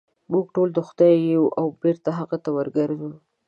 موږ ټول د خدای یو او بېرته هغه ته ورګرځو.